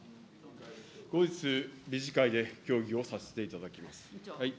後日、理事会で協議をさせていただきます。